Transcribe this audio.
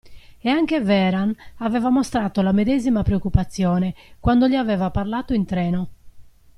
E anche Vehrehan aveva mostrato la medesima preoccupazione, quando gli aveva parlato in treno!